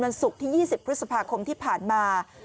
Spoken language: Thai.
ศุกร์ที่๒๐พฤษภาคมที่ผ่านมา